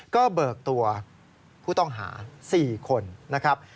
ก็เบิกตัวผู้ต้องหา๔คนนะครับ